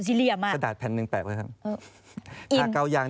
สะดัดแผ่นหนึ่งแปบแล้วกัน